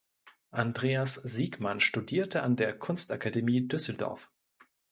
Andreas Siekmann studierte an der Kunstakademie Düsseldorf.